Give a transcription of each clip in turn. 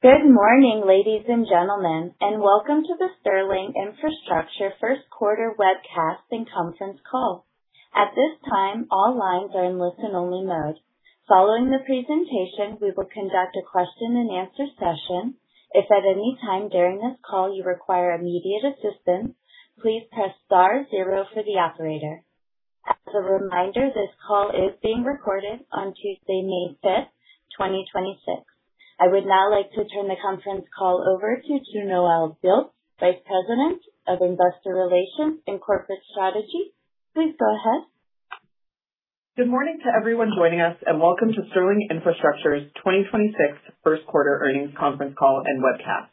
Good morning, ladies and gentlemen, and welcome to the Sterling Infrastructure First Quarter Webcast and Conference Call. At this time, all lines are in listen-only mode. Following the presentation, we will conduct a question and answer session. If at any time during this call you require immediate assistance, please press star zero for the operator. As a reminder, this call is being recorded on Tuesday, May 5, 2026. I would now like to turn the conference call over to Noelle Dilts, Vice President of Investor Relations and Corporate Strategy. Please go ahead. Good morning to everyone joining us and welcome to Sterling Infrastructure's 2026 first quarter earnings conference call and webcast.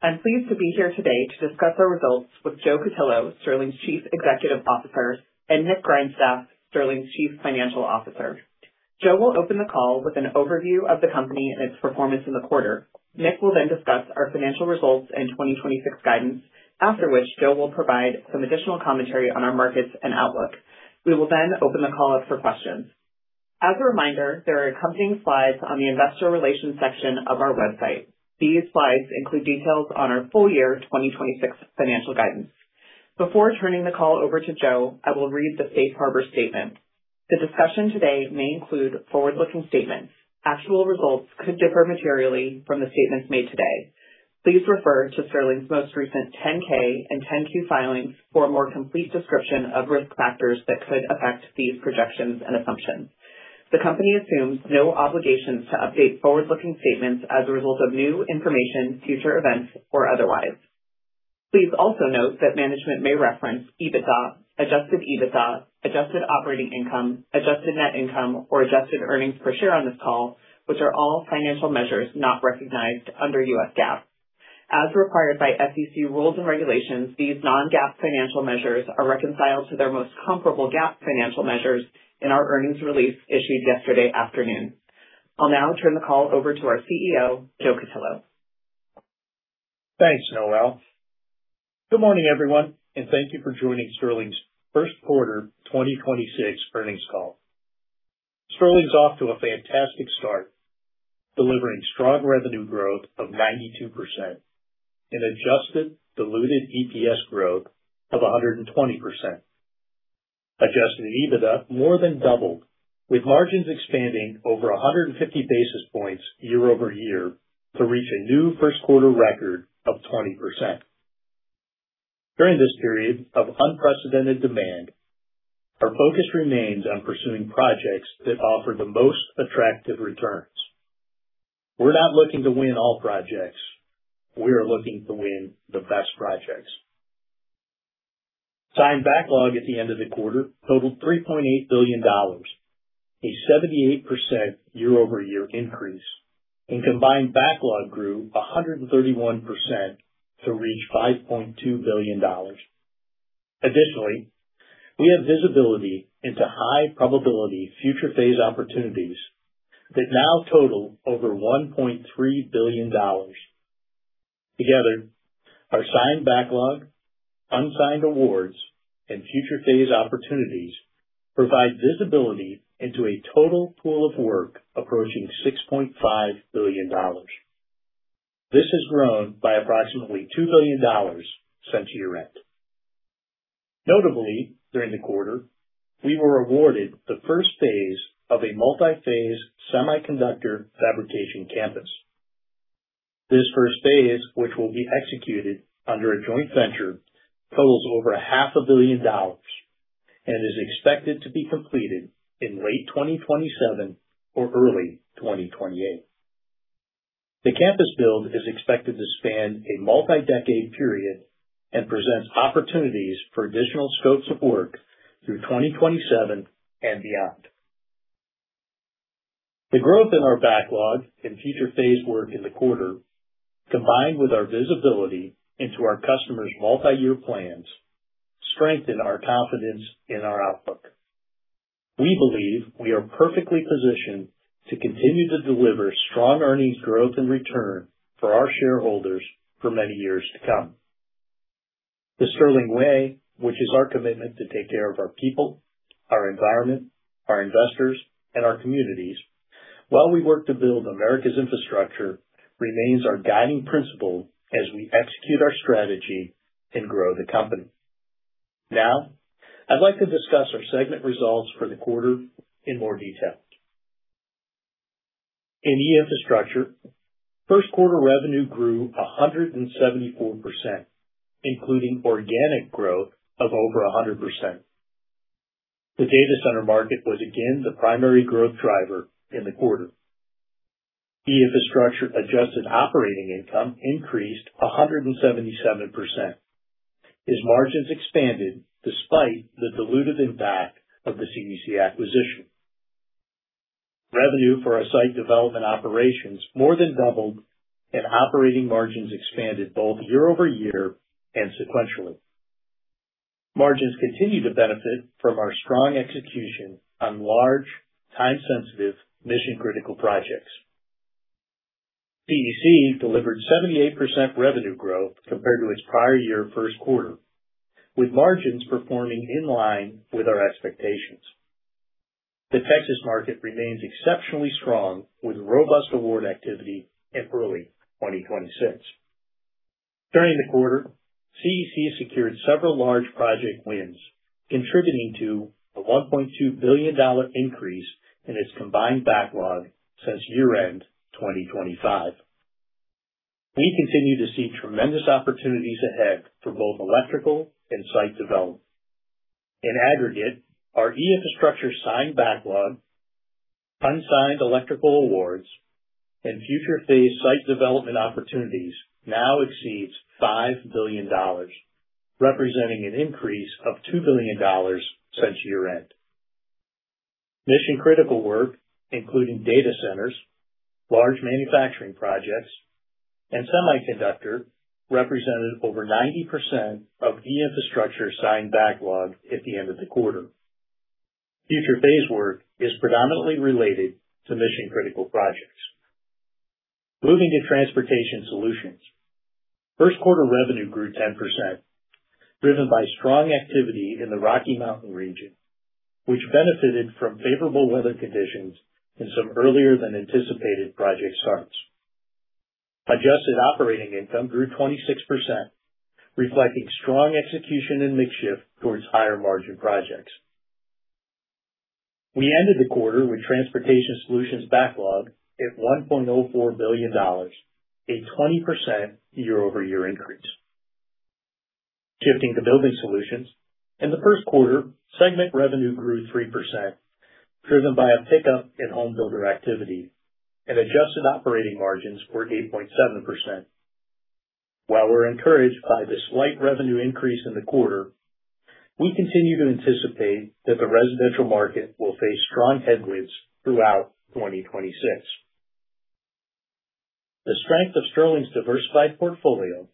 I'm pleased to be here today to discuss our results with Joe Cutillo, Sterling's Chief Executive Officer, and Nick Grindstaff, Sterling's Chief Financial Officer. Joe will open the call with an overview of the company and its performance in the quarter. Nick will then discuss our financial results and 2026 guidance, after which Joe will provide some additional commentary on our markets and outlook. We will then open the call up for questions. As a reminder, there are accompanying slides on the investor relations section of our website. These slides include details on our full year 2026 financial guidance. Before turning the call over to Joe, I will read the Safe Harbor statement. The discussion today may include forward-looking statements. Actual results could differ materially from the statements made today. Please refer to Sterling's most recent 10-K and 10-Q filings for a more complete description of risk factors that could affect these projections and assumptions. The company assumes no obligations to update forward-looking statements as a result of new information, future events or otherwise. Please also note that management may reference EBITDA, Adjusted EBITDA, adjusted operating income, adjusted net income, or adjusted earnings per share on this call, which are all financial measures not recognized under US GAAP. As required by SEC rules and regulations, these non-GAAP financial measures are reconciled to their most comparable GAAP financial measures in our earnings release issued yesterday afternoon. I'll now turn the call over to our Chief Executive Officer, Joe Cutillo. Thanks, Noelle. Good morning, everyone, and thank you for joining Sterling's first quarter 2026 earnings call. Sterling is off to a fantastic start, delivering strong revenue growth of 92% and adjusted diluted EPS growth of 120%. Adjusted EBITDA more than doubled, with margins expanding over 150 basis points YoY to reach a new first quarter record of 20%. During this period of unprecedented demand, our focus remains on pursuing projects that offer the most attractive returns. We're not looking to win all projects. We are looking to win the best projects. Signed backlog at the end of the quarter totaled $3.8 billion, a 78% YoY increase, and combined backlog grew 131% to reach $5.2 billion. Additionally, we have visibility into high probability future phase opportunities that now total over $1.3 billion. Together, our signed backlog, unsigned awards, and future phase opportunities provide visibility into a total pool of work approaching $6.5 billion. This has grown by approximately $2 billion since year-end. Notably, during the quarter, we were awarded the first phase of a multi-phase semiconductor fabrication campus. This first phase, which will be executed under a joint venture, totals over $500 million and is expected to be completed in late 2027 or early 2028. The campus build is expected to span a multi-decade period and presents opportunities for additional scopes of work through 2027 and beyond. The growth in our backlog and future phase work in the quarter, combined with our visibility into our customers' multi-year plans, strengthen our confidence in our outlook. We believe we are perfectly positioned to continue to deliver strong earnings growth and return for our shareholders for many years to come. The Sterling Way, which is our commitment to take care of our people, our environment, our investors, and our communities while we work to build America's infrastructure, remains our guiding principle as we execute our strategy and grow the company. Now I'd like to discuss our segment results for the quarter in more detail. In E-Infrastructure, first quarter revenue grew 174%, including organic growth of over 100%. The data center market was again the primary growth driver in the quarter. E-Infrastructure adjusted operating income increased 177% as margins expanded despite the dilutive impact of the CEC acquisition. Revenue for our site development operations more than doubled and operating margins expanded both YoY and sequentially. Margins continue to benefit from our strong execution on large, time sensitive, mission critical projects. CEC delivered 78% revenue growth compared to its prior year first quarter, with margins performing in line with our expectations. The Texas market remains exceptionally strong with robust award activity in early 2026. During the quarter, CEC secured several large project wins, contributing to a $1.2 billion increase in its combined backlog since year-end 2025. We continue to see tremendous opportunities ahead for both electrical and site development. In aggregate, our E-Infrastructure signed backlog, unsigned electrical awards, and future phase site development opportunities now exceeds $5 billion, representing an increase of $2 billion since year-end. Mission-critical work, including data centers, large manufacturing projects, and semiconductor, represented over 90% of E-Infrastructure signed backlog at the end of the quarter. Future phase work is predominantly related to mission-critical projects. Moving to Transportation Solutions. First quarter revenue grew 10%, driven by strong activity in the Rocky Mountain region, which benefited from favorable weather conditions and some earlier than anticipated project starts. Adjusted operating income grew 26%, reflecting strong execution and mix shift towards higher margin projects. We ended the quarter with Transportation Solutions backlog at $1.04 billion, a 20% YoY increase. Shifting to Building Solutions. In the first quarter, segment revenue grew 3%, driven by a pickup in home builder activity and adjusted operating margins were 8.7%. While we're encouraged by the slight revenue increase in the quarter, we continue to anticipate that the residential market will face strong headwinds throughout 2026. The strength of Sterling's diversified portfolio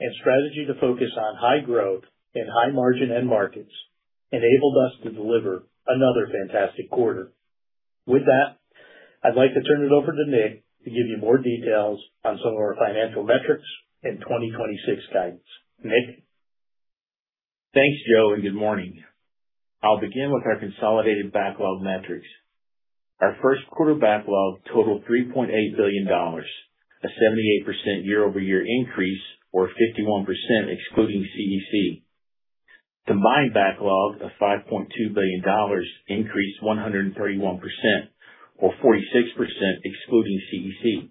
and strategy to focus on high growth and high margin end markets enabled us to deliver another fantastic quarter. With that, I'd like to turn it over to Nick to give you more details on some of our financial metrics and 2026 guidance. Nick? Thanks, Joe. Good morning. I'll begin with our consolidated backlog metrics. Our first quarter backlog totaled $3.8 billion, a 78% YoY increase, or 51% excluding CEC. Combined backlog of $5.2 billion increased 131% or 46% excluding CEC.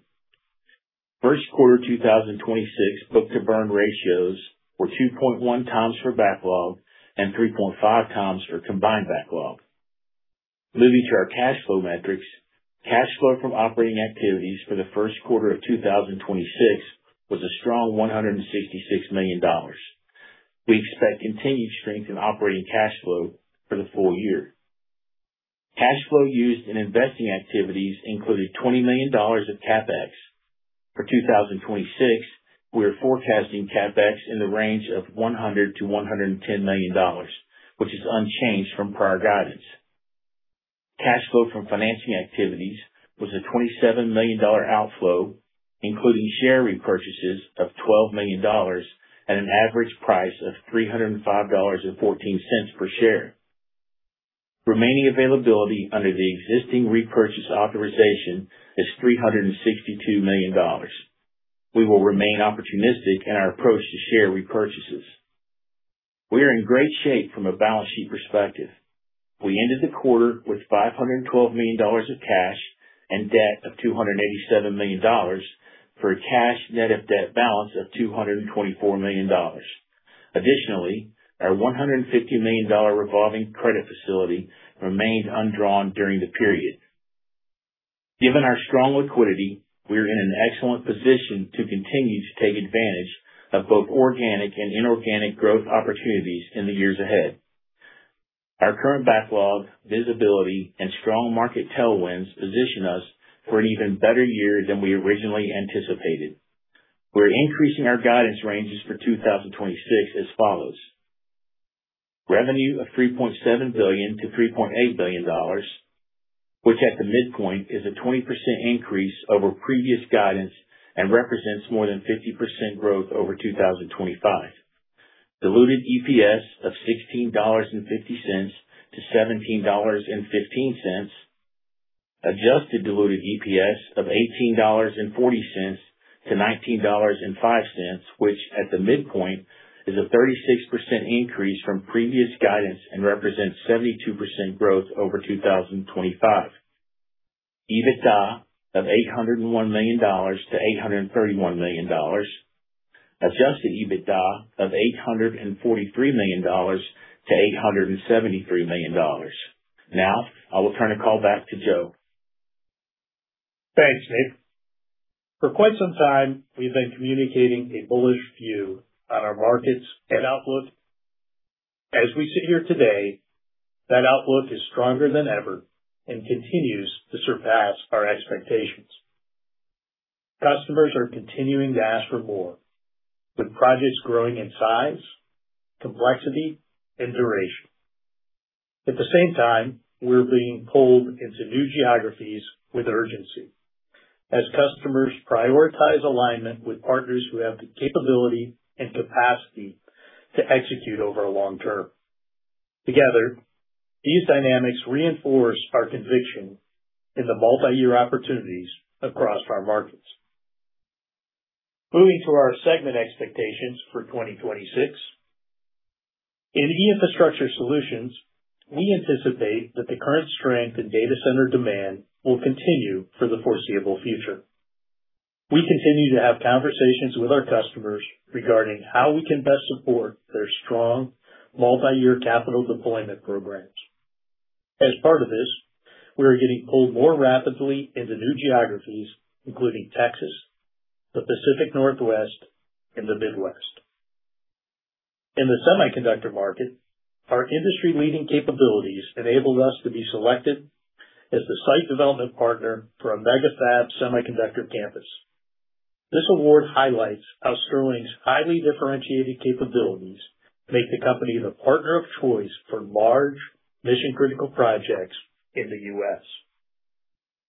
First quarter 2026 book-to-burn ratios were 2.1x for backlog and 3.5x for combined backlog. Moving to our cash flow metrics. Cash flow from operating activities for the first quarter of 2026 was a strong $166 million. We expect continued strength in operating cash flow for the full year. Cash flow used in investing activities included $20 million of CapEx. For 2026, we are forecasting CapEx in the range of $100 million-$110 million, which is unchanged from prior guidance. Cash flow from financing activities was a $27 million outflow, including share repurchases of $12 million at an average price of $305.14 per share. Remaining availability under the existing repurchase authorization is $362 million. We will remain opportunistic in our approach to share repurchases. We are in great shape from a balance sheet perspective. We ended the quarter with $512 million of cash and debt of $287 million, for a cash net of debt balance of $224 million. Additionally, our $150 million revolving credit facility remained undrawn during the period. Given our strong liquidity, we are in an excellent position to continue to take advantage of both organic and inorganic growth opportunities in the years ahead. Our current backlog, visibility, and strong market tailwinds position us for an even better year than we originally anticipated. We're increasing our guidance ranges for 2026 as follows: Revenue of $3.7 billion-$3.8 billion, which at the midpoint is a 20% increase over previous guidance and represents more than 50% growth over 2025. Diluted EPS of $16.50-$17.15. Adjusted diluted EPS of $18.40-$19.05, which at the midpoint is a 36% increase from previous guidance and represents 72% growth over 2025. EBITDA of $801 million-$831 million. Adjusted EBITDA of $843 million-$873 million. Now I will turn the call back to Joe. Thanks, Nick. For quite some time, we've been communicating a bullish view on our markets and outlook. As we sit here today, that outlook is stronger than ever and continues to surpass our expectations. Customers are continuing to ask for more, with projects growing in size, complexity, and duration. At the same time, we're being pulled into new geographies with urgency. As customers prioritize alignment with partners who have the capability and capacity to execute over long term. Together, these dynamics reinforce our conviction in the multiyear opportunities across our markets. Moving to our segment expectations for 2026. In E-Infrastructure Solutions, we anticipate that the current strength in data center demand will continue for the foreseeable future. We continue to have conversations with our customers regarding how we can best support their strong multi-year capital deployment programs. As part of this, we are getting pulled more rapidly into new geographies, including Texas, the Pacific Northwest, and the Midwest. In the semiconductor market, our industry-leading capabilities enabled us to be selected as the site development partner for a mega fab semiconductor campus. This award highlights how Sterling's highly differentiated capabilities make the company the partner of choice for large mission-critical projects in the U.S.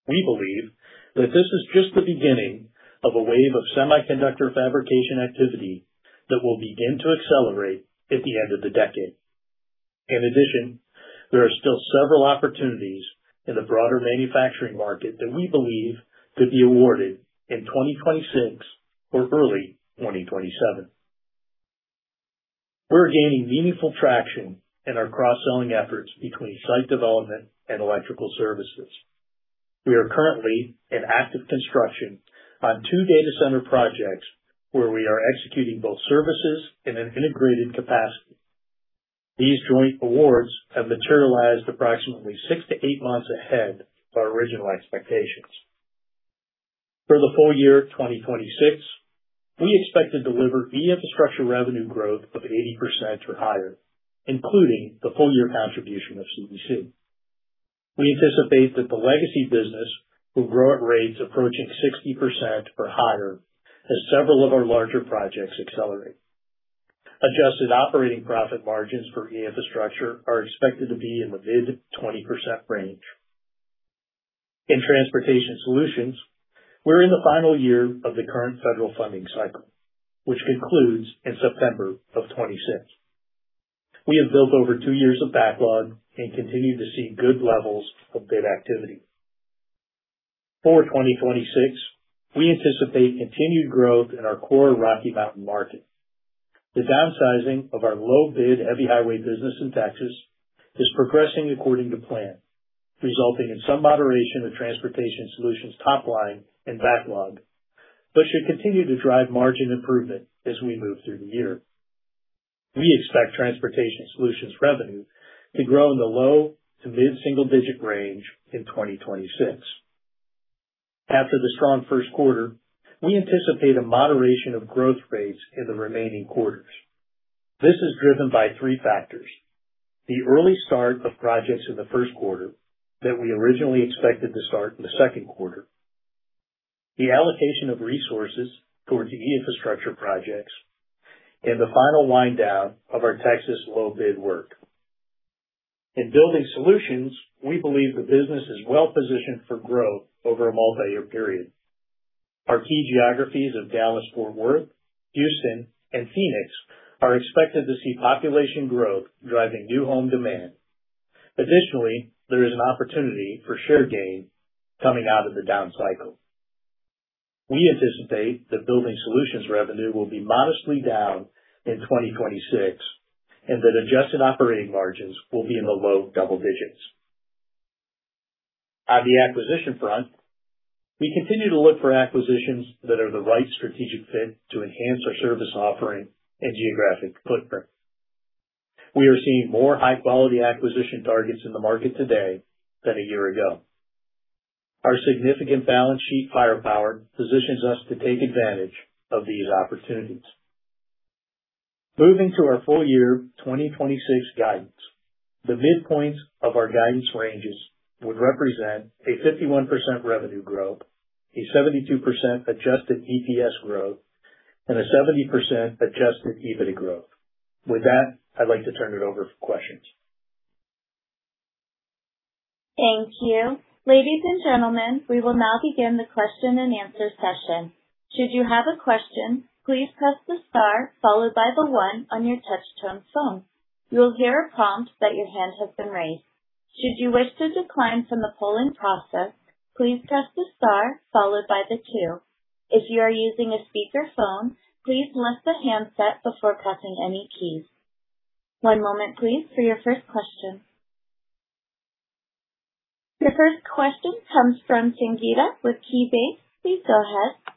We believe that this is just the beginning of a wave of semiconductor fabrication activity that will begin to accelerate at the end of the decade. In addition, there are still several opportunities in the broader manufacturing market that we believe could be awarded in 2026 or early 2027. We're gaining meaningful traction in our cross-selling efforts between site development and electrical services. We are currently in active construction on two data center projects where we are executing both services in an integrated capacity. These joint awards have materialized approximately six to eight months ahead of our original expectations. For the full year 2026, we expect to deliver E-Infrastructure revenue growth of 80% or higher, including the full year contribution of CEC. We anticipate that the legacy business will grow at rates approaching 60% or higher as several of our larger projects accelerate. Adjusted operating profit margins for E-Infrastructure are expected to be in the mid 20% range. In Transportation Solutions, we're in the final year of the current federal funding cycle, which concludes in September of 2026. We have built over two years of backlog and continue to see good levels of bid activity. For 2026, we anticipate continued growth in our core Rocky Mountain market. The downsizing of our low bid heavy highway business in Texas is progressing according to plan, resulting in some moderation of Transportation Solutions top line and backlog, but should continue to drive margin improvement as we move through the year. We expect Transportation Solutions revenue to grow in the low to mid-single digit range in 2026. After the strong first quarter, we anticipate a moderation of growth rates in the remaining quarters. This is driven by three factors: the early start of projects in the first quarter that we originally expected to start in the second quarter, the allocation of resources towards the E-Infrastructure projects, and the final wind down of our Texas low bid work. In Building Solutions, we believe the business is well positioned for growth over a multiyear period. Our key geographies of Dallas-Fort Worth, Houston, and Phoenix are expected to see population growth driving new home demand. Additionally, there is an opportunity for share gain coming out of the down cycle. We anticipate that Building Solutions revenue will be modestly down in 2026, and that adjusted operating margins will be in the low double digits. On the acquisition front, we continue to look for acquisitions that are the right strategic fit to enhance our service offering and geographic footprint. We are seeing more high-quality acquisition targets in the market today than a year ago. Our significant balance sheet firepower positions us to take advantage of these opportunities. Moving to our full year 2026 guidance. The midpoints of our guidance ranges would represent a 51% revenue growth, a 72% adjusted EPS growth, and a 70% Adjusted EBIT growth. With that, I'd like to turn it over for questions. Thank you. Ladies and gentlemen, we will now begin the question and answer session. Should you have a question, please press star, followed by one, on your touchtone phone. You will hear prompt that your hand has been raised. Should you wish to decline the polling process, please press the star, followed by the two. If you are using speakerphone, please lift the handset before pressing any key. One moment please, for your first question. Your first question comes from Sangita with KeyBanc. Please go ahead.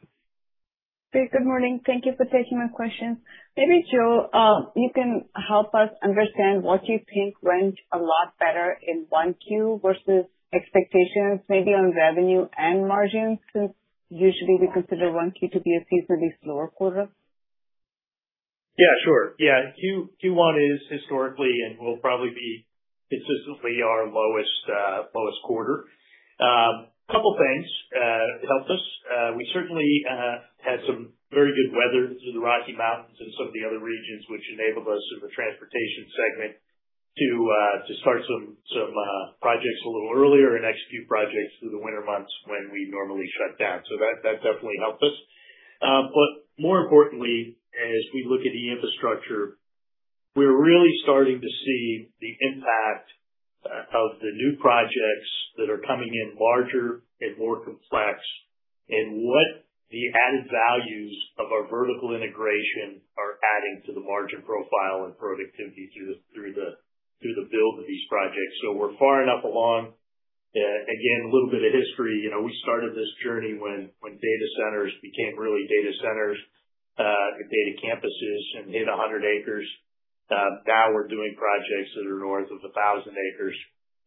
Good morning. Thank you for taking my question. Maybe, Joe, you can help us understand what you think went a lot better in 1Q versus expectations, maybe on revenue and margins, since usually we consider 1Q to be a seasonally slower quarter? Yeah, sure. Yeah, Q1 is historically and will probably be consistently our lowest quarter. Couple things helped us. We certainly had some very good weather through the Rocky Mountains and some of the other regions which enabled us in the Transportation Solutions to start some projects a little earlier and execute projects through the winter months when we normally shut down. That definitely helped us. More importantly, as we look at the infrastructure, we're really starting to see the impact of the new projects that are coming in larger and more complex, and what the added values of our vertical integration are adding to the margin profile and productivity through the build of these projects. We're far enough along. Again, a little bit of history. You know, we started this journey when data centers became really data centers, data campuses and hit 100 acres. We're doing projects that are north of 1,000 acres,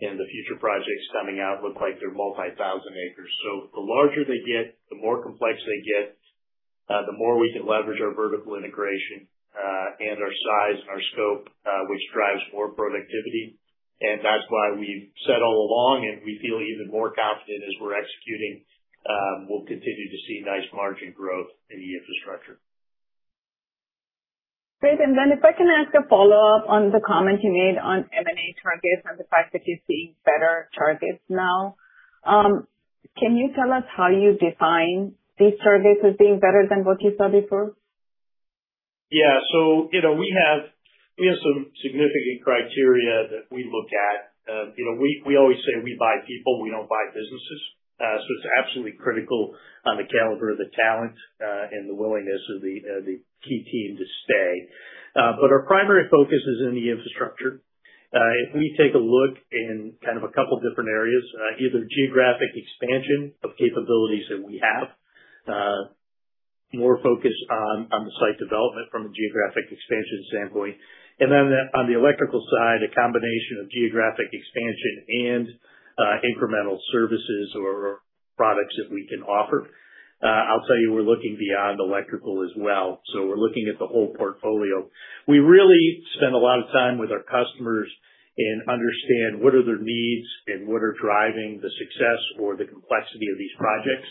and the future projects coming out look like they're multi-thousand acres. The larger they get, the more complex they get, the more we can leverage our vertical integration, and our size and our scope, which drives more productivity. That's why we've said all along, and we feel even more confident as we're executing, we'll continue to see nice margin growth in the infrastructure. Great. If I can ask a follow-up on the comment you made on M&A targets and the fact that you're seeing better targets now. Can you tell us how you define these targets as being better than what you saw before? You know, we have some significant criteria that we look at. You know, we always say we buy people, we don't buy businesses. It's absolutely critical on the caliber of the talent and the willingness of the key team to stay. Our primary focus is in the infrastructure. If we take a look in kind of a couple different areas, either geographic expansion of capabilities that we have, more focus on the site development from a geographic expansion standpoint, and then on the electrical side, a combination of geographic expansion and incremental services or products that we can offer. I'll tell you, we're looking beyond electrical as well, we're looking at the whole portfolio. We really spend a lot of time with our customers and understand what are their needs and what are driving the success or the complexity of these projects.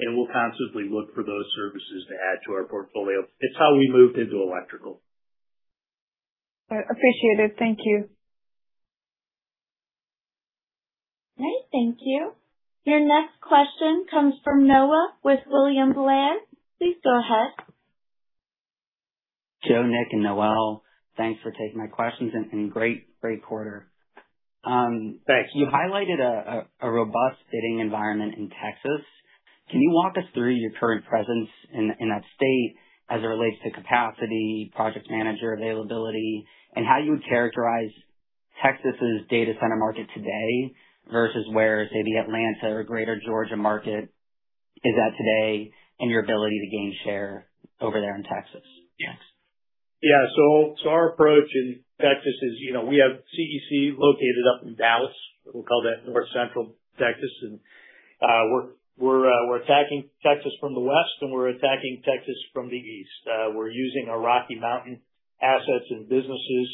We'll constantly look for those services to add to our portfolio. It's how we moved into electrical. Appreciated. Thank you. Great. Thank you. Your next question comes from Louie DiPalma with William Blair. Please go ahead. Joe, Nick, and Noelle, thanks for taking my questions. Great quarter. Thanks. You highlighted a robust bidding environment in Texas. Can you walk us through your current presence in that state as it relates to capacity, project manager availability, and how you would characterize Texas' data center market today versus where, say, the Atlanta or Greater Georgia market is at today and your ability to gain share over there in Texas? Yeah. So our approach in Texas is, you know, we have CEC located up in Dallas. We'll call that North Central Texas. We're attacking Texas from the west, and we're attacking Texas from the east. We're using our Rocky Mountain assets and businesses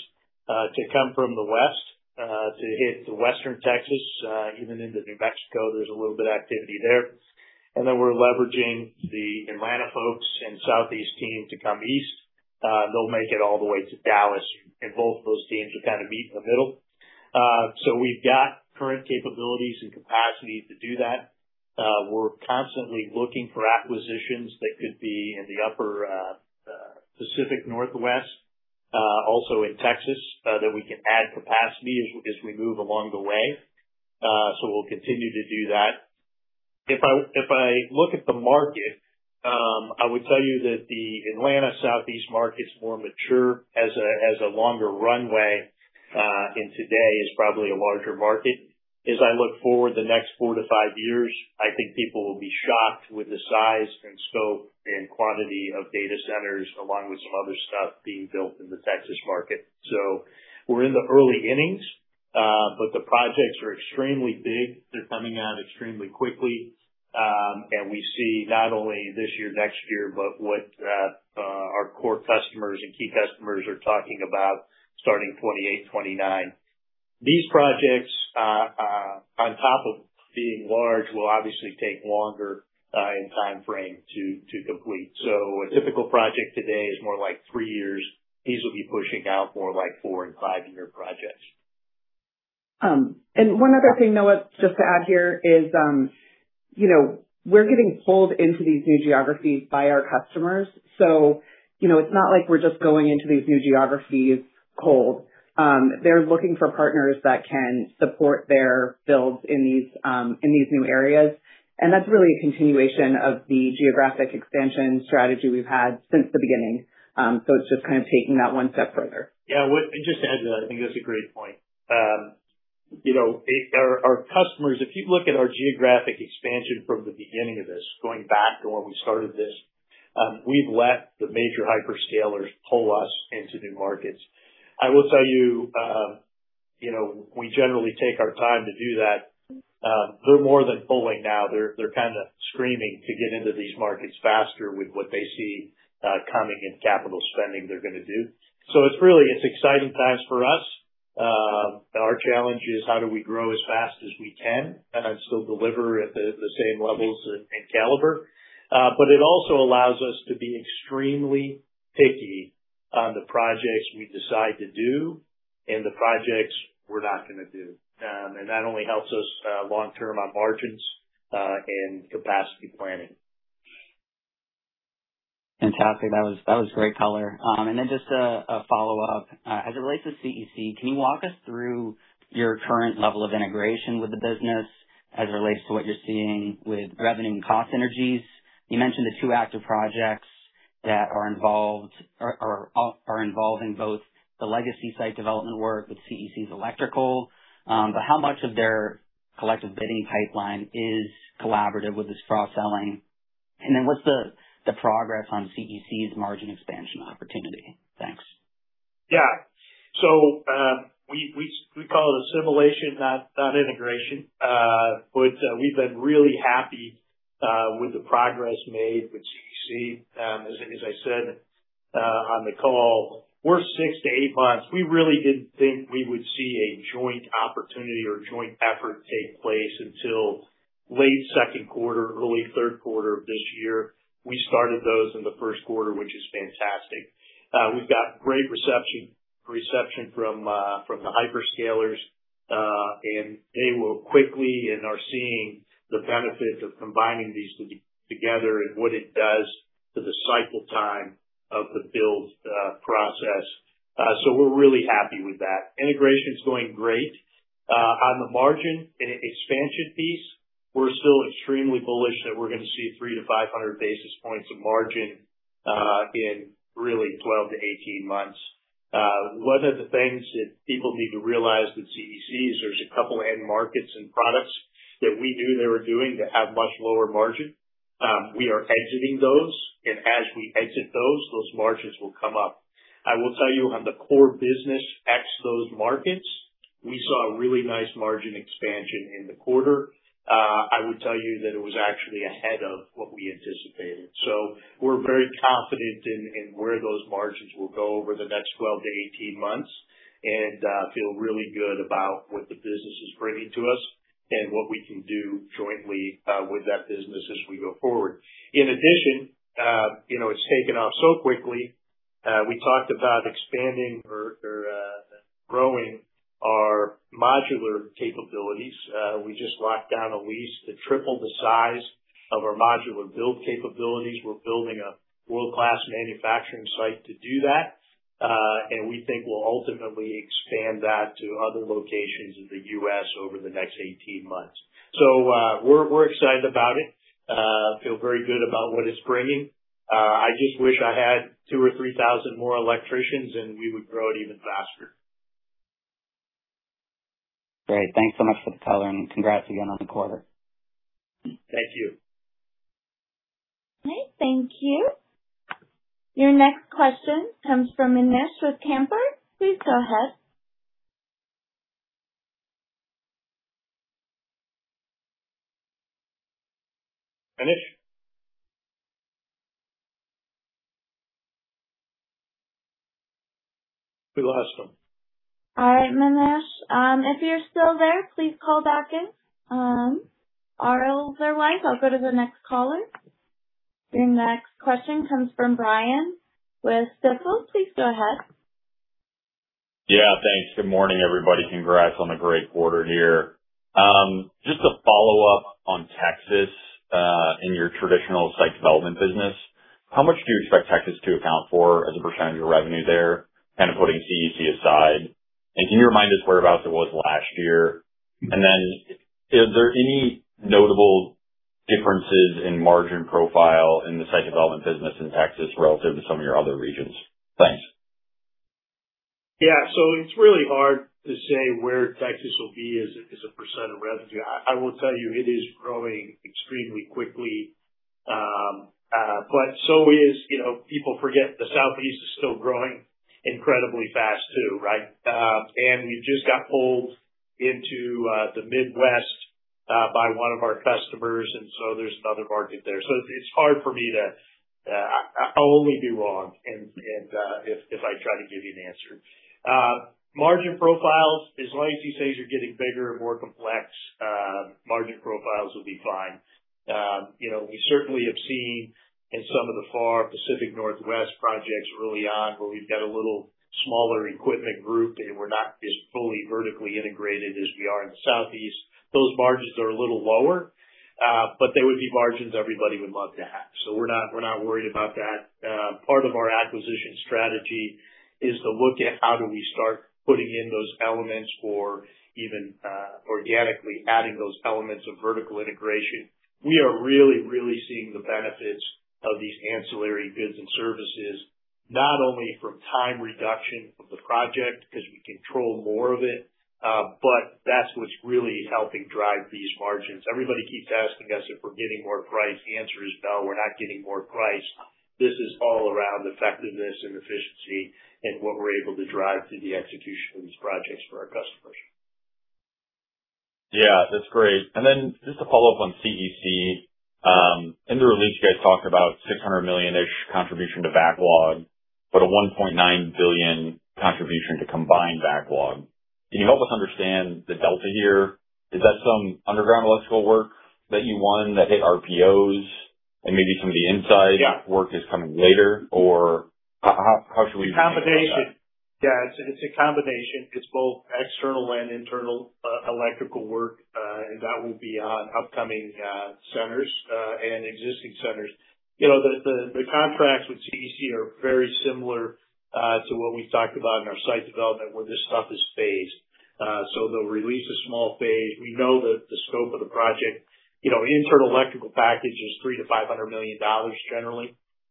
to come from the west to hit western Texas even into New Mexico. There's a little bit of activity there. Then we're leveraging the Atlanta folks and southeast team to come east. They'll make it all the way to Dallas, and both of those teams will kind of meet in the middle. So we've got current capabilities and capacity to do that. We're constantly looking for acquisitions that could be in the upper Pacific Northwest, also in Texas, that we can add capacity as we move along the way. We'll continue to do that. If I look at the market, I would tell you that the Atlanta Southeast market is more mature, has a longer runway, and today is probably a larger market. As I look forward the next four to five years, I think people will be shocked with the size and scope and quantity of data centers, along with some other stuff being built in the Texas market. We're in the early innings, but the projects are extremely big. They're coming out extremely quickly. We see not only this year, next year, but what our core customers and key customers are talking about starting 2028, 2029. These projects, on top of being large, will obviously take longer in timeframe to complete. A typical project today is more like three years. These will be pushing out more like four and five year projects. One other thing, Louie DiPalma, just to add here is, you know, we're getting pulled into these new geographies by our customers. You know, it's not like we're just going into these new geographies cold. They're looking for partners that can support their builds in these in these new areas, and that's really a continuation of the geographic expansion strategy we've had since the beginning. It's just kind of taking that one step further. Yeah. Just to add to that, I think that's a great point. you know, our customers, if you look at our geographic expansion from the beginning of this, going back to when we started this, we've let the major hyperscalers pull us into new markets. I will tell you know, we generally take our time to do that. They're more than pulling now. They're kind of screaming to get into these markets faster with what they see coming in capital spending they're going to do. It's really, it's exciting times for us. Our challenge is how do we grow as fast as we can and then still deliver at the same levels and caliber. It also allows us to be extremely picky on the projects we decide to do and the projects we're not gonna do. That only helps us long term on margins and capacity planning. Fantastic. That was great color. Then just a follow-up. As it relates to CEC, can you walk us through your current level of integration with the business as it relates to what you're seeing with revenue and cost synergies? You mentioned the two active projects that are involved or are involved in both the legacy site development work with CEC's electrical. How much of their collective bidding pipeline is collaborative with this cross-selling? Then what's the progress on CEC's margin expansion opportunity? Thanks. We call it assimilation, not integration. We've been really happy with the progress made with CEC. As I said, on the call, we're six to eight months. We really didn't think we would see a joint opportunity or joint effort take place until late second quarter, early third quarter of this year. We started those in the first quarter, which is fantastic. We've got great reception from the hyperscalers, and they were quickly and are seeing the benefits of combining these two together and what it does to the cycle time of the build process. We're really happy with that. integration is going great. On the margin and expansion piece, we're still extremely bullish that we're gonna see 300 to 500 basis points of margin in really 12 to 18 months. One of the things that people need to realize with CEC is there's a two end markets and products that we knew they were doing that have much lower margin. We are exiting those, and as we exit those margins will come up. I will tell you on the core business, ex those markets, we saw a really nice margin expansion in the quarter. I would tell you that it was actually ahead of what we anticipated. We're very confident in where those margins will go over the next 12 to 18 months, and feel really good about what the business is bringing to us, and what we can do jointly with that business as we go forward. In addition, you know, it's taken off so quickly, we talked about expanding or growing our modular capabilities. We just locked down a lease to triple the size of our modular build capabilities. We're building a world-class manufacturing site to do that, and we think we'll ultimately expand that to other locations in the U.S. over the next 18 months. We're excited about it. Feel very good about what it's bringing. I just wish I had 2,000 or 3,000 more electricians, and we would grow it even faster. Great. Thanks so much for the color and congrats again on the quarter. Thank you. All right. Thank you. Your next question comes from Manish with Cantor. Please go ahead. Manish? We lost him. All right, Manish, if you're still there, please call back in. Otherwise, I'll go to the next caller. Your next question comes from Brian with Stifel. Please go ahead. Thanks. Good morning, everybody. Congrats on a great quarter here. Just a follow-up on Texas, in your traditional site development business. How much do you expect Texas to account for as a percentage of revenue there, kind of putting CEC aside? Can you remind us whereabouts it was last year? Is there any notable differences in margin profile in the site development business in Texas relative to some of your other regions? Thanks. Yeah. It's really hard to say where Texas will be as a percent of revenue. I will tell you it is growing extremely quickly. But so is, you know, people forget the Southeast is still growing incredibly fast too, right? And we just got pulled into the Midwest by one of our customers, and so there's another market there. It's hard for me to, I'll only be wrong and if I try to give you an answer. Margin profiles, as long as these things are getting bigger and more complex, margin profiles will be fine. You know, we certainly have seen in some of the Far Pacific Northwest projects early on, where we've got a little smaller equipment group and we're not as fully vertically integrated as we are in the Southeast. Those margins are a little lower, but they would be margins everybody would love to have. We're not worried about that. Part of our acquisition strategy, is to look at how do we start putting in those elements or even organically adding those elements of vertical integration. We are really seeing the benefits of these ancillary goods and services, not only from time reduction of the project because we control more of it, that's what's really helping drive these margins. Everybody keeps asking us if we're getting more price. The answer is no, we're not getting more price. This is all around effectiveness and efficiency and what we're able to drive through the execution of these projects for our customers. Yeah, that's great. Just to follow up on CEC. In the release, you guys talked about $600 million-ish contribution to backlog, but a $1.9 billion contribution to combined backlog. Can you help us understand the delta here? Is that some underground electrical work that you won that hit RPOs? Maybe some of the inside- Yeah. work is coming later? How should we think about that? Combination. It's a combination. It's both external and internal electrical work, and that will be on upcoming centers and existing centers. You know, the contracts with CEC are very similar to what we've talked about in our site development, where this stuff is phased. They'll release a small phase. We know the scope of the project. You know, internal electrical package is $300 million-$500 million generally.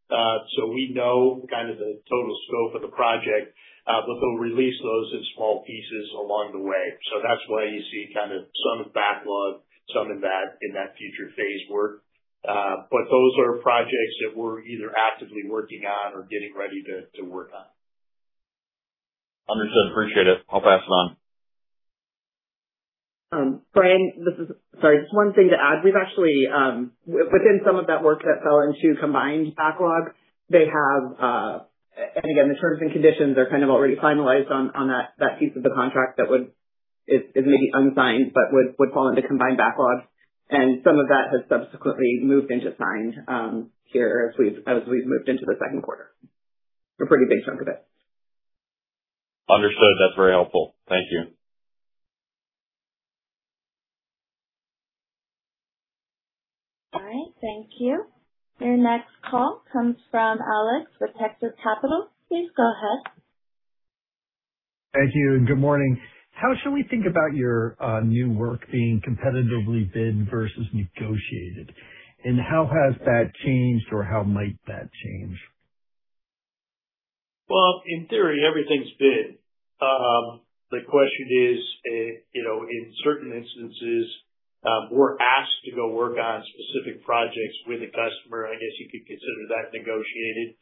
We know kind of the total scope of the project. They'll release those in small pieces along the way. That's why you see kind of some in backlog, some in that future phased work. Those are projects that we're either actively working on or getting ready to work on. Understood. Appreciate it. I'll pass it on. Brian, this is just one thing to add. We've actually, within some of that work that fell into combined backlog, they have, and again, the terms and conditions are kind of already finalized on that piece of the contract that it may be unsigned, but would fall into combined backlog. Some of that has subsequently moved into signed here as we've moved into the second quarter. A pretty big chunk of it. Understood. That is very helpful. Thank you. All right. Thank you. Your next call comes from Alex with Texas Capital. Please go ahead. Thank you, and good morning. How should we think about your new work being competitively bid versus negotiated? How hasthat changed or how might that change? In theory, everything's bid. The question is, you know, in certain instances, we're asked to go work on specific projects with a customer. I guess you could consider that negotiated.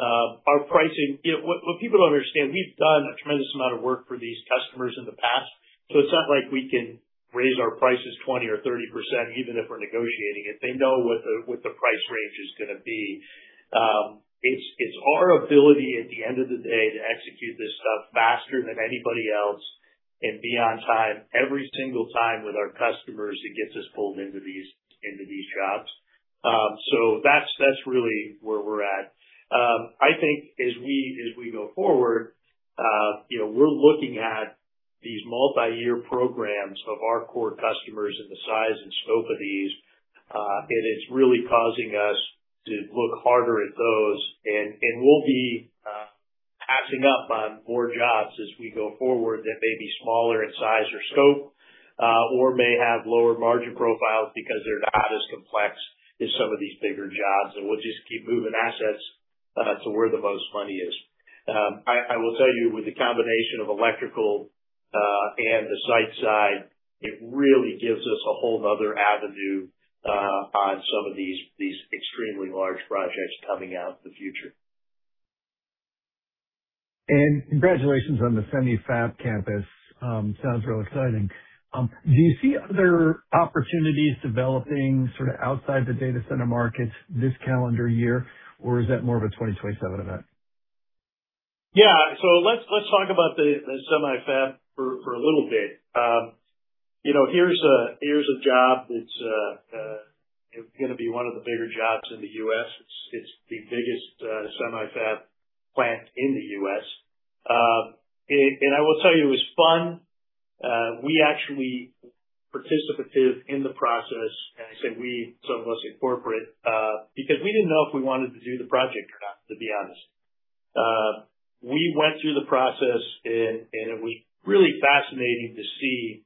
Our pricing You know, what people don't understand, we've done a tremendous amount of work for these customers in the past, so it's not like we can raise our prices 20% or 30% even if we're negotiating it. They know what the, what the price range is gonna be. It's our ability at the end of the day to execute this stuff faster than anybody else, and be on time every single time with our customers that gets us pulled into these, into these jobs. That's really where we're at. I think as we, as we go forward, you know, we're looking at these multi-year programs of our core customers and the size and scope of these, it's really causing us to look harder at those. We'll be passing up on more jobs as we go forward that may be smaller in size or scope, or may have lower margin profiles because they're not as complex as some of these bigger jobs. We'll just keep moving assets to where the most money is. I will tell you, with the combination of electrical and the site side, it really gives us a whole other avenue on some of these extremely large projects coming out in the future. Congratulations on the mega fab campus. Sounds real exciting. Do you see other opportunities developing sort of outside the data center market this calendar year, or is that more of a 2027 event? Let's talk about the semi fab for a little bit. You know, here's a job that's gonna be one of the bigger jobs in the U.S. It's the biggest semi fab plant in the U.S. I will tell you, it was fun. We actually participated in the process, and I say we, so I'm mostly corporate, because we didn't know if we wanted to do the project or not, to be honest. We went through the process, and it was really fascinating to see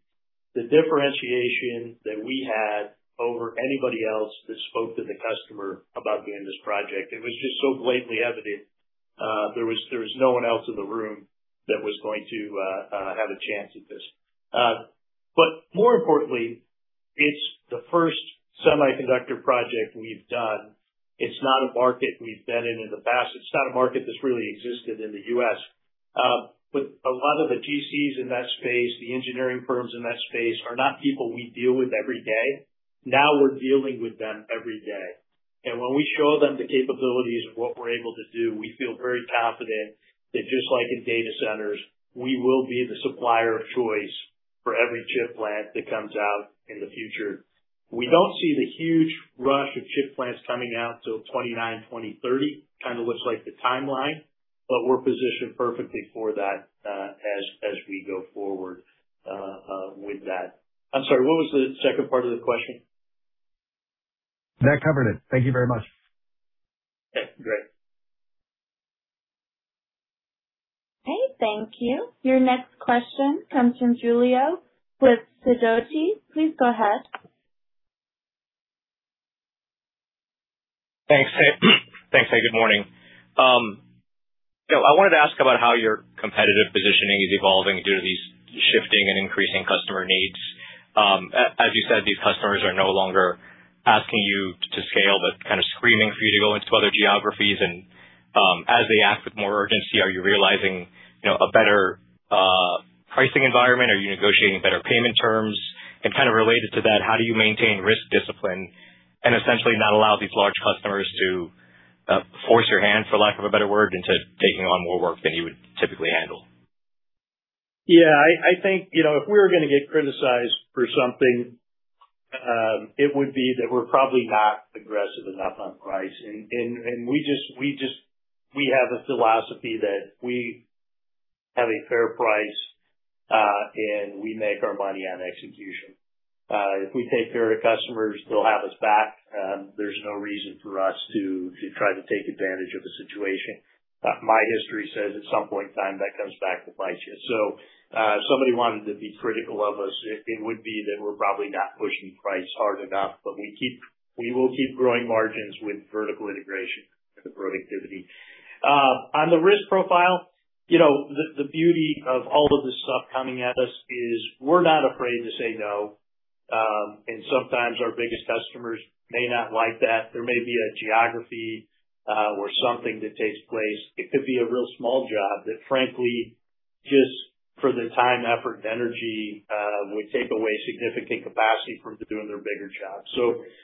the differentiation that we had over anybody else that spoke to the customer about being in this project. It was just so blatantly evident. There was no one else in the room that was going to have a chance at this. More importantly, it's the first semiconductor project we've done. It's not a market we've been in in the past. It's not a market that's really existed in the U.S. A lot of the GCs in that space, the engineering firms in that space are not people we deal with every day. Now we're dealing with them every day. When we show them the capabilities of what we're able to do, we feel very confident that just like in data centers, we will be the supplier of choice for every chip plant that comes out in the future. We don't see the huge rush of chip plants coming out till 2029, 2030, kind of looks like the timeline, but we're positioned perfectly for that as we go forward with that. I'm sorry, what was the second part of the question? That covered it. Thank you very much. Great. Okay, thank you. Your next question comes from Julio with Sidoti. Please go ahead. Thanks. Hey, thanks. Hey, good morning. I wanted to ask about how your competitive positioning is evolving due to these shifting and increasing customer needs. As you said, these customers are no longer asking you to scale, but kind of screaming for you to go into other geographies. As they ask with more urgency, are you realizing, you know, a better pricing environment? Are you negotiating better payment terms? Kind of related to that, how do you maintain risk discipline and essentially not allow these large customers to force your hand, for lack of a better word, into taking on more work than you would typically handle? Yeah, I think, you know, if we were gonna get criticized for something, it would be that we're probably not aggressive enough on price. We just have a philosophy that we have a fair price, and we make our money on execution. If we take care of the customers, they'll have us back. There's no reason for us to try to take advantage of a situation. My history says at some point in time, that comes back to bite you. If somebody wanted to be critical of us, it would be that we're probably not pushing price hard enough, but we will keep growing margins with vertical integration and productivity. On the risk profile, you know, the beauty of all of this stuff coming at us is we're not afraid to say no. Sometimes our biggest customers may not like that. There may be a geography or something that takes place. It could be a real small job that, frankly, just for the time, effort, and energy, would take away significant capacity from doing their bigger jobs.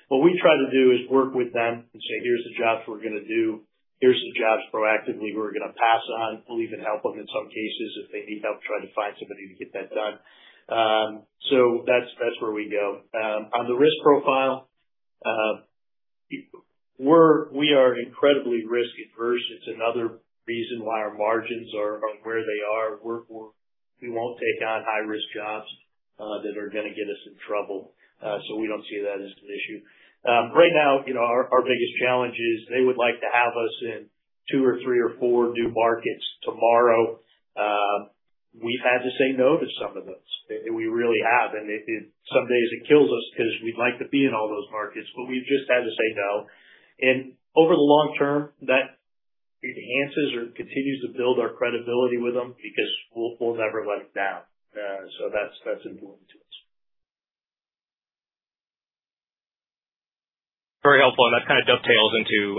What we try to do is work with them and say, "Here's the jobs we're gonna do. Here's the jobs proactively we're gonna pass on." We'll even help them in some cases if they need help trying to find somebody to get that done. That's, that's where we go. On the risk profile, we are incredibly risk-averse. It's another reason why our margins are where they are. We won't take on high-risk jobs, that are gonna get us in trouble. We don't see that as an issue. Right now, you know, our biggest challenge is they would like to have us in two or three or four new markets tomorrow. We really have. Some days it kills us because we'd like to be in all those markets, but we've just had to say no. Over the long term, that enhances or continues to build our credibility with them because we'll never let them down. That's important to us. Very helpful. That kind of dovetails into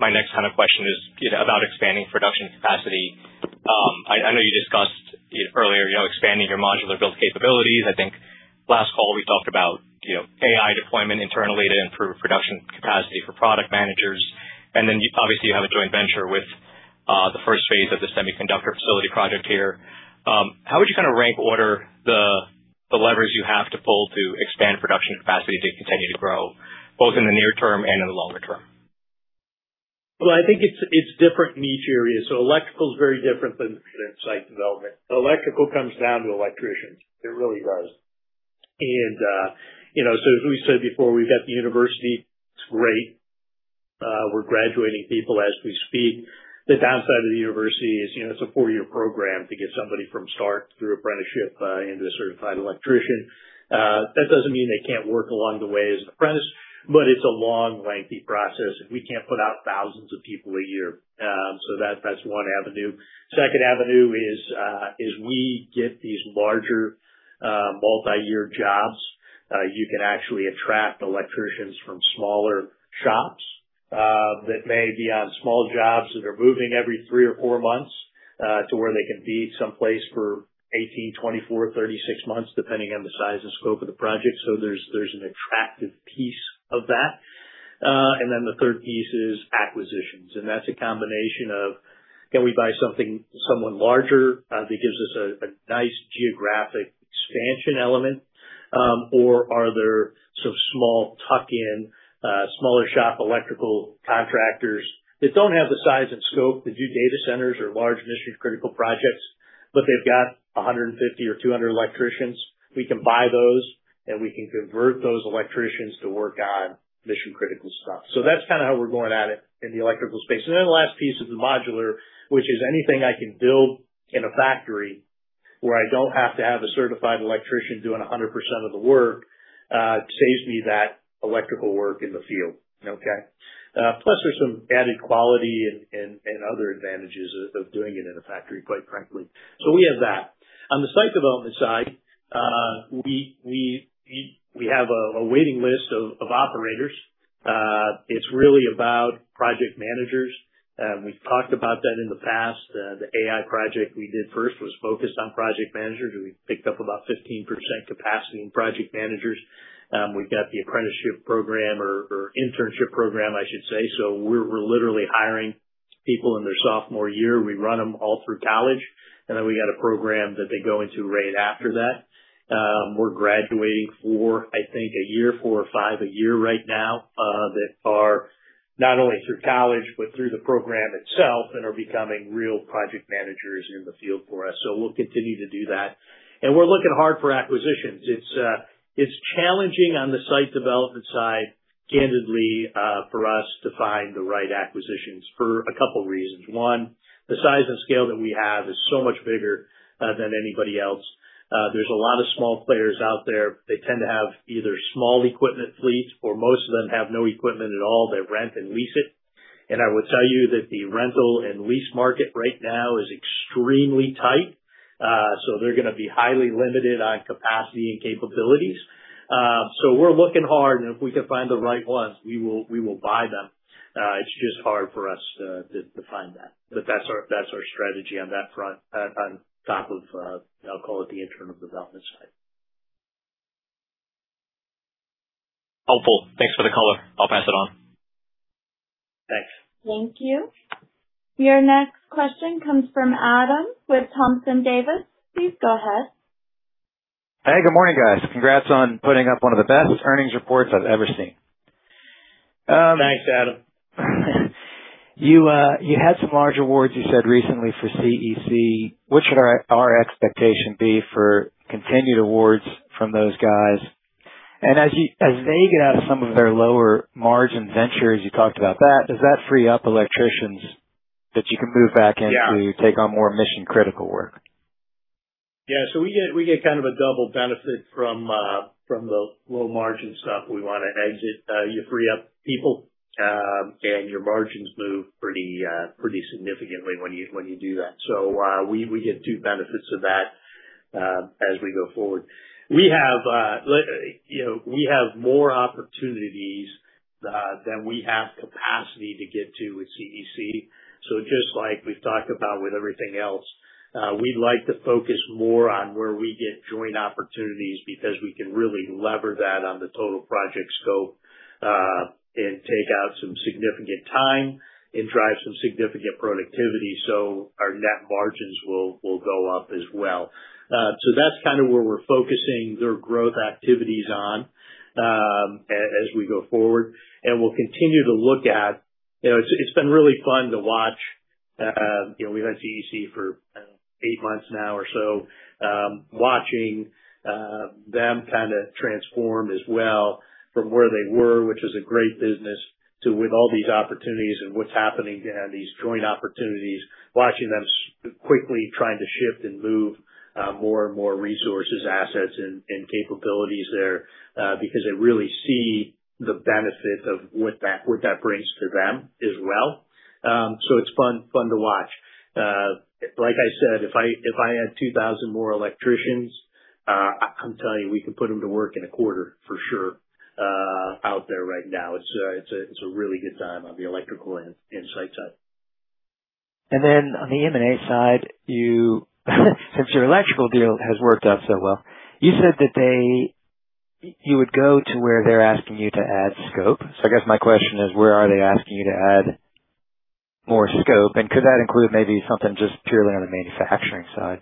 my next kind of question is, you know, about expanding production capacity. I know you discussed earlier, you know, expanding your modular build capabilities. I think last call we talked about, you know, AI deployment internally to improve production capacity for product managers. Then you obviously, you have a joint venture with the first phase of the semiconductor facility project here. How would you kind of rank order the levers you have to pull to expand production capacity to continue to grow, both in the near term and in the longer term? Well, I think it's different in each area. Electrical is very different than site development. Electrical comes down to electricians. It really does. You know, as we said before, we've got the university. It's great. We're graduating people as we speak. The downside of the university is, you know, it's a four-year program to get somebody from start through apprenticeship into a certified electrician. That doesn't mean they can't work along the way as an apprentice, but it's a long, lengthy process, and we can't put out thousands of people a year. That's one avenue. Second avenue is, as we get these larger, multi-year jobs, you can actually attract electricians from smaller shops, that may be on small jobs that are moving every three or four months, to where they can be someplace for 18, 24, 36 months, depending on the size and scope of the project. There's an attractive piece of that. The third piece is acquisitions. That's a combination of can we buy something somewhat larger, that gives us a nice geographic expansion element? Are there some small tuck-in, smaller shop electrical contractors that don't have the size and scope to do data centers or large mission-critical projects, but they've got 150 or 200 electricians? We can buy those, and we can convert those electricians to work on mission-critical stuff. That's kind of how we're going at it in the electrical space. The last piece is the modular, which is anything I can build in a factory where I don't have to have a certified electrician doing 100% of the work, saves me that electrical work in the field. Okay? Plus there's some added quality and other advantages of doing it in a factory, quite frankly. We have that. On the site development side, we have a waiting list of operators. It's really about project managers. We've talked about that in the past. The AI project we did first was focused on project managers, and we picked up about 15% capacity in project managers. We've got the apprenticeship program or internship program, I should say. We're literally hiring people in their sophomore year. We run them all through college, and then we got a program that they go into right after that. We're graduating four, I think a year, four or five a year right now, that are not only through college, but through the program itself and are becoming real project managers in the field for us. We'll continue to do that. We're looking hard for acquisitions. It's challenging on the site development side, candidly, for us to find the right acquisitions for a couple reasons. One, the size and scale that we have is so much bigger than anybody else. There's a lot of small players out there. They tend to have either small equipment fleets or most of them have no equipment at all. They rent and lease it. I will tell you that the rental and lease market right now is extremely tight. They're gonna be highly limited on capacity and capabilities. We're looking hard, and if we can find the right ones, we will buy them. It's just hard for us to find that. That's our strategy on that front, on top of, I'll call it the internal development side. Helpful. Thanks for the color. I'll pass it on. Thanks. Thank you. Your next question comes from Adam with Thompson Davis. Please go ahead. Hey, good morning, guys. Congrats on putting up one of the best earnings reports I've ever seen. Thanks, Adam. You, you had some large awards, you said recently for CEC. What should our expectation be for continued awards from those guys? As they get out of some of their lower margin ventures, you talked about that, does that free up electricians that you can move back in? Yeah. To take on more mission-critical work? Yeah. We get kind of a double benefit from the low-margin stuff we wanna exit. You free up people, and your margins move pretty significantly when you do that. We get two benefits of that as we go forward. We have, you know, we have more opportunities than we have capacity to get to with CEC. Just like we've talked about with everything else, we'd like to focus more on where we get joint opportunities, because we can really lever that on the total project scope, and take out some significant time and drive some significant productivity, our net margins will go up as well. That's kind of where we're focusing their growth activities on as we go forward. We'll continue to look at, you know, it's been really fun to watch, you know, we've had CEC for, I don't know, eight months now or so. Watching them kind of transform as well from where they were, which is a great business, to with all these opportunities and what's happening to have these joint opportunities, watching them quickly trying to shift and move more and more resources, assets, and capabilities there, because they really see the benefit of what that brings to them as well. It's fun to watch. Like I said, if I had 2,000 more electricians, I can tell you we can put them to work in a quarter for sure, out there right now. It's a really good time on the electrical and E-Infrastructure side. On the M&A side, since your electrical deal has worked out so well, you said that you would go to where they're asking you to add scope. I guess my question is, where are they asking you to add more scope? Could that include maybe something just purely on the manufacturing side?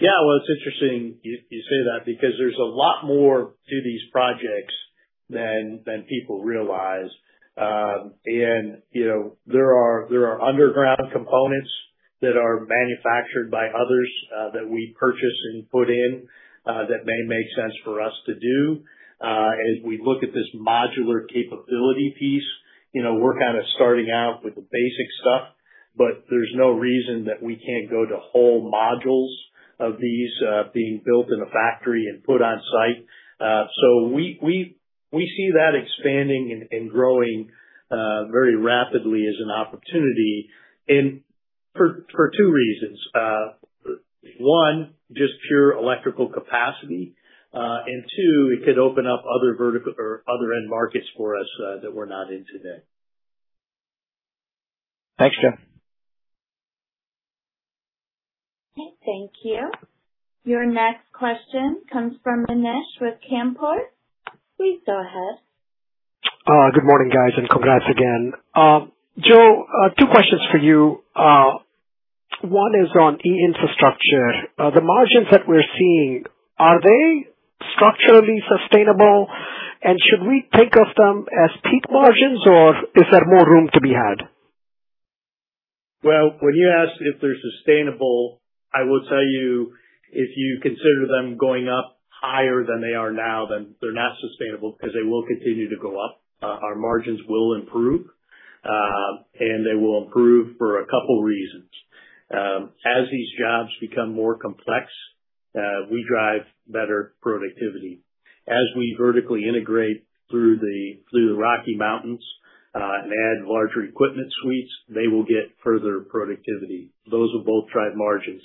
Well, it's interesting you say that because there's a lot more to these projects than people realize. You know, there are underground components that are manufactured by others that we purchase and put in that may make sense for us to do. As we look at this modular capability piece, you know, we're kind of starting out with the basic stuff, there's no reason that we can't go to whole modules of these being built in a factory and put on site. We see that expanding and growing very rapidly as an opportunity and for two reasons. One, just pure electrical capacity. Two, it could open up other end markets for us that we're not in today. Thanks, Joe. Okay, thank you. Your next question comes from Manish with Cantor. Please go ahead. Good morning, guys, and congrats again. Joe, two questions for you. One is on E-Infrastructure. The margins that we're seeing, are they structurally sustainable? Should we think of them as peak margins, or is there more room to be had? Well, when you ask if they're sustainable, I will tell you, if you consider them going up higher than they are now, then they're not sustainable because they will continue to go up. Our margins will improve, and they will improve for a couple reasons. As these jobs become more complex, we drive better productivity. As we vertically integrate through the Rocky Mountains, and add larger equipment suites, they will get further productivity. Those will both drive margins.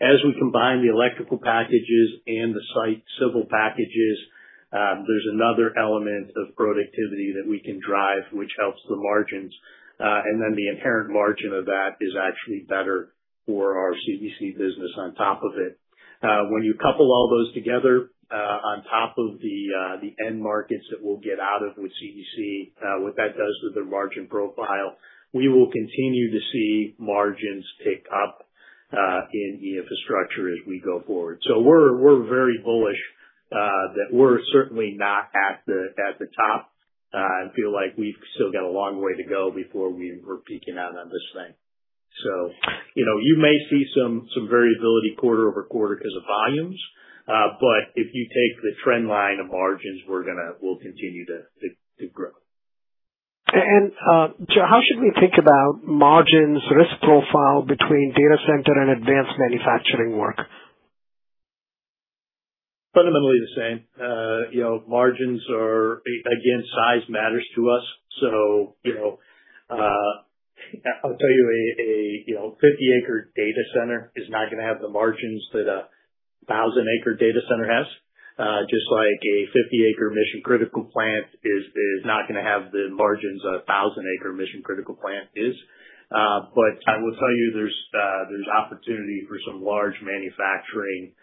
As we combine the electrical packages and the site civil packages, there's another element of productivity that we can drive, which helps the margins. The inherent margin of that is actually better for our CEC business on top of it. When you couple all those together, on top of the end markets that we'll get out of with CEC, what that does to the margin profile, we will continue to see margins tick up in E-Infrastructure as we go forward. We're very bullish that we're certainly not at the top, and feel like we've still got a long way to go before we're peaking out on this thing. You know, you may see some variability QoQ because of volumes, but if you take the trend line of margins, we'll continue to grow. Joe, how should we think about margins risk profile between data center and advanced manufacturing work? Fundamentally the same. You know, margins are again, size matters to us. So, you know, I'll tell you a, you know, 50-acre data center is not gonna have the margins that a 1,000-acre data center has. Just like a 50-acre mission-critical plant is not gonna have the margins a 1,000-acre mission-critical plant is. But I will tell you there's opportunity for some large manufacturing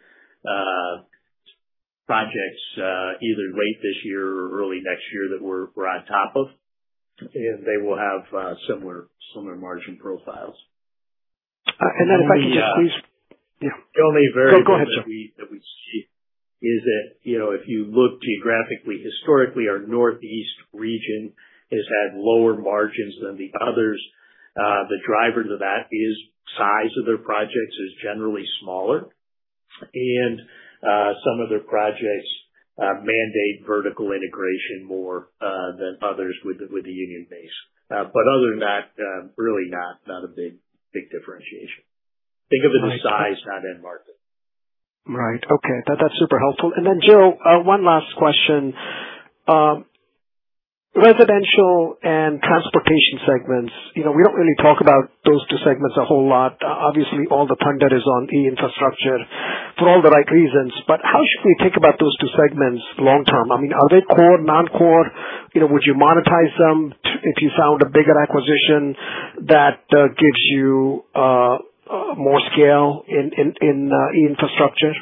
projects, either late this year or early next year that we're on top of, and they will have similar margin profiles. Uh, and then if I could just please- The only, uh- Yeah. The only variation- No, go ahead, Joe. ....that we see is that, you know, if you look geographically, historically, our northeast region has had lower margins than the others. The driver to that is size of their projects is generally smaller. Some of their projects mandate vertical integration more than others with the union base. Other than that, really not a big differentiation. Think of it as size, not end market. Right. Okay. That's super helpful. Then Joe, one last question. Residential and transportation segments, you know, we don't really talk about those two segments a whole lot. Obviously all the punt that is on E-Infrastructure for all the right reasons, how should we think about those two segments long term? I mean, are they core, non-core? You know, would you monetize them if you found a bigger acquisition that gives you more scale in E-Infrastructure?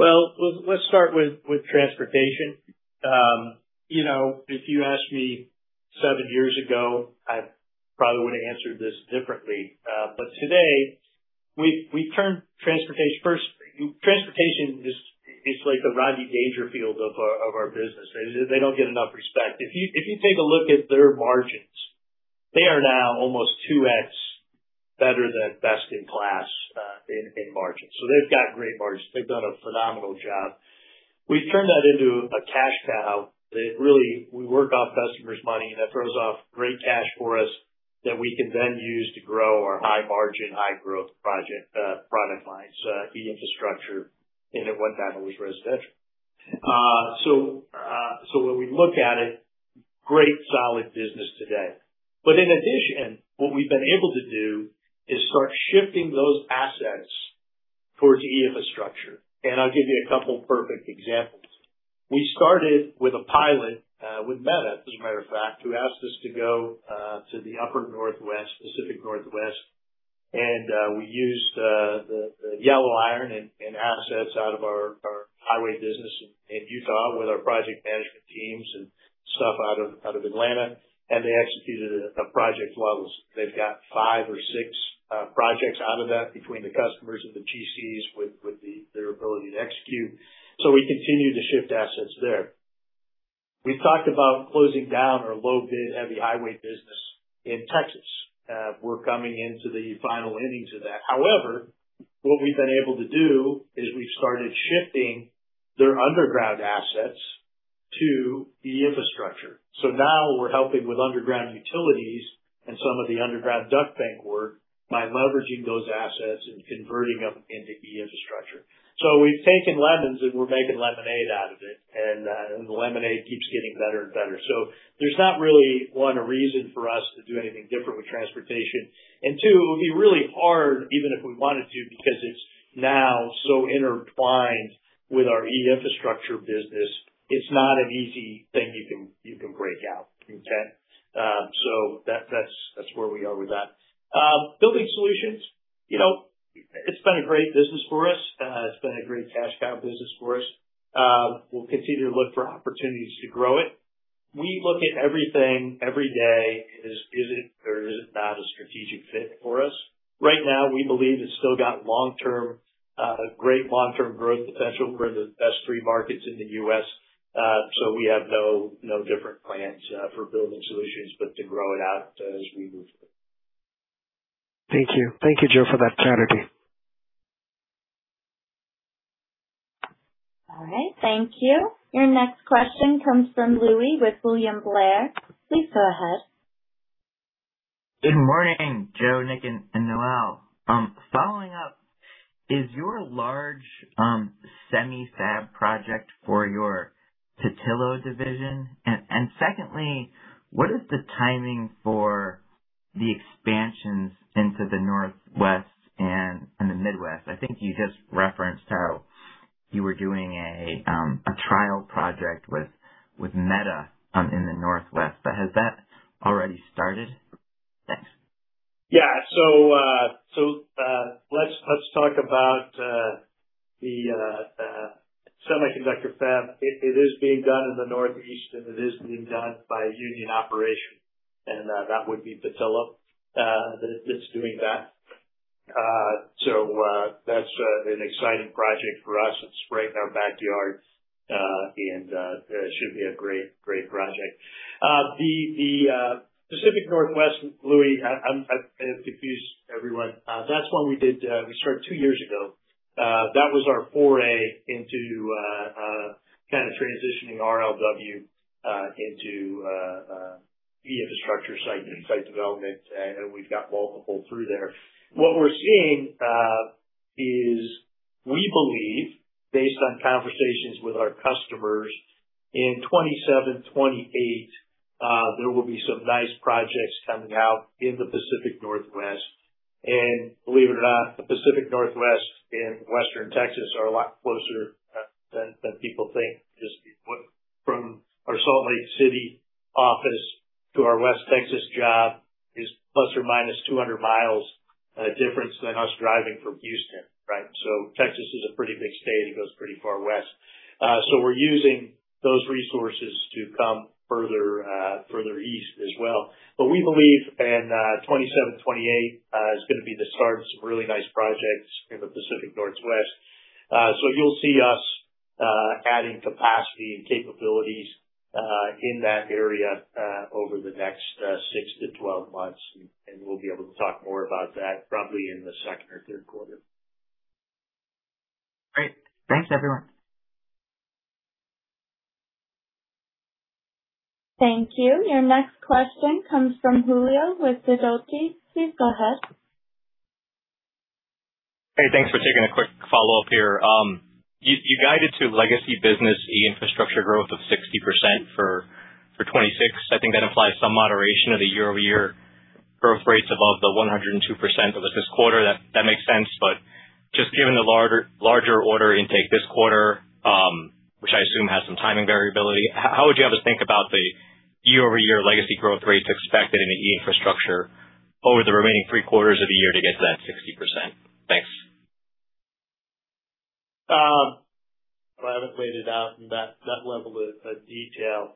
Well, let's start with transportation. You know, if you asked me seven years ago, I probably would've answered this differently. Today we've turned transportation First, transportation is, it's like the Rodney Dangerfield of our business. They don't get enough respect. If you take a look at their margins, they are now almost 2x better than best in class in margins. They've got great margins. They've done a phenomenal job. We've turned that into a cash cow that really we work off customers' money, and that throws off great cash for us that we can then use to grow our high margin, high growth project product lines, E-Infrastructure and at one time it was residential. When we look at it, great solid business today. In addition, what we've been able to do is start shifting those assets towards E-Infrastructure. I'll give you a couple of perfect examples. We started with a pilot with Meta, as a matter of fact, who asked us to go to the upper Northwest, Pacific Northwest. We used the yellow iron and assets out of our highway business in Utah with our project management teams and stuff out of Atlanta. They executed at a project levels. They've got five or six projects out of that between the customers and the GCs with their ability to execute. We continue to shift assets there. We've talked about closing down our low bid, heavy highway business in Texas. We're coming into the final innings of that. However, we've been able to do, is we've started shifting their underground assets to E-Infrastructure. Now we're helping with underground utilities and some of the underground duct bank work by leveraging those assets and converting them into E-Infrastructure. We've taken lemons, and we're making lemonade out of it. The lemonade keeps getting better and better. There's not really, one, a reason for us to do anything different with Transportation Solutions. Two, it would be really hard even if we wanted to, because it's now so intertwined with our E-Infrastructure business. It's not an easy thing you can break out, okay? That's where we are with that. Building Solutions? You know, it's been a great business for us. It's been a great cash cow business for us. We'll continue to look for opportunities to grow it. We look at everything every day. Is it or is it not a strategic fit for us? Right now, we believe it's still got long term, great long-term growth potential. We're in the best three markets in the U.S. We have no different plans for Building Solutions, but to grow it out as we move forward. Thank you. Thank you, Joe, for that clarity. All right. Thank you. Your next question comes from Louie with William Blair. Please go ahead. Good morning, Joe, Nick, and Noelle. Following up, is your large semi fab project for your Petillo division? Secondly, what is the timing for the expansions into the Northwest and the Midwest? I think you just referenced how you were doing a trial project with Meta in the Northwest, has that already started? Thanks. Let's talk about the semiconductor fab. It is being done in the Northeast, and it is being done by a union operation. That would be Petillo, that's doing that. That's an exciting project for us. It's right in our backyard. It should be a great project. The Pacific Northwest, Louie, I confused everyone. That's one we did, we started two years ago. That was our foray into kind of transitioning RLW into E-Infrastructure site development. We've got multiple through there. What we're seeing is we believe based on conversations with our customers, in 2027, 2028, there will be some nice projects coming out in the Pacific Northwest. Believe it or not, the Pacific Northwest and Western Texas are a lot closer than people think. Our Salt Lake City office to our West Texas job is ±200 miles difference than us driving from Houston, right? Texas is a pretty big state. It goes pretty far west. We're using those resources to come further east as well. We believe in 2027, 2028 is going to be the start of some really nice projects in the Pacific Northwest. You'll see us adding capacity and capabilities in that area over the next six to 12 months. We'll be able to talk more about that probably in the second or third quarter. Great. Thanks, everyone. Thank you. Your next question comes from Julio with Sidoti. Please go ahead. Hey, thanks for taking a quick follow-up here. You guided to legacy business E-Infrastructure growth of 60% for 2026. I think that implies some moderation of the YoY growth rates above the 102% of this quarter. That makes sense. Just given the larger order intake this quarter, which I assume has some timing variability, how would you have us think about the YoY legacy growth rates expected in the E-Infrastructure over the remaining three quarters of the year to get to that 60%? Thanks. I haven't laid it out in that level of detail.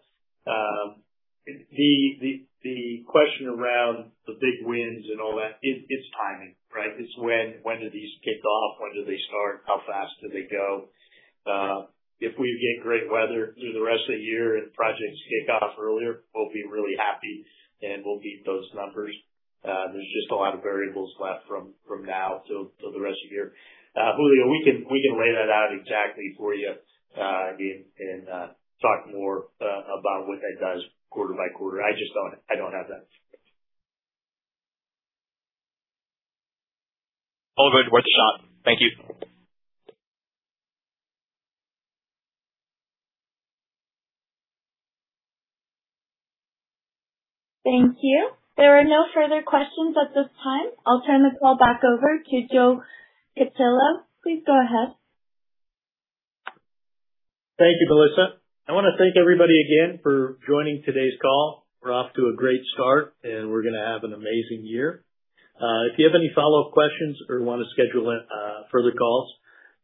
The question around the big wins and all that, it's timing, right? It's when do these kick off? When do they start? How fast do they go? If we get great weather through the rest of the year and projects kick off earlier, we'll be really happy, and we'll beat those numbers. There's just a lot of variables left from now till the rest of the year. Julio, we can lay that out exactly for you, and talk more about what that does quarter-by-quarter. I just don't have that. All good. Worth a shot. Thank you. Thank you. There are no further questions at this time. I will turn the call back over to Joe Cutillo. Please go ahead. Thank you, Melissa. I wanna thank everybody again for joining today's call. We're off to a great start. We're gonna have an amazing year. If you have any follow-up questions or wanna schedule further calls,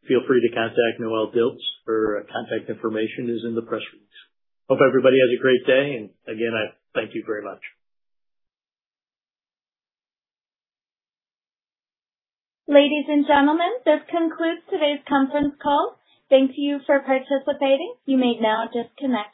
feel free to contact Noelle Dilts. Her contact information is in the press release. Hope everybody has a great day. Again, I thank you very much. Ladies and gentlemen, this concludes today's conference call. Thank you for participating. You may now disconnect.